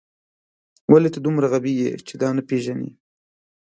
ولې ته دومره غبي یې چې دا نه پېژنې